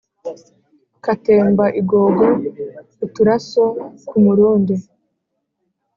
Katemba igogo-Uturaso ku murundi.